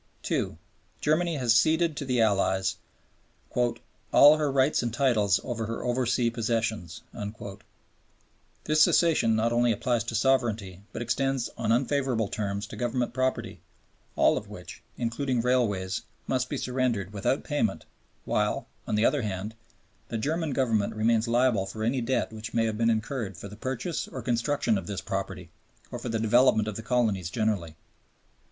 (2) Germany has ceded to the Allies "all her rights and titles over her oversea possessions." This cession not only applies to sovereignty but extends on unfavorable terms to Government property, all of which, including railways, must be surrendered without payment, while, on the other hand, the German Government remains liable for any debt which may have been incurred for the purchase or construction of this property, or for the development of the colonies generally.